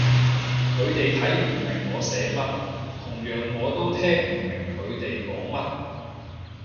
佢哋睇唔明我寫乜，同樣我都聽唔明佢哋講乜